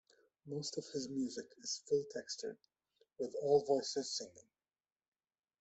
Most of his music is full-textured, with all voices singing.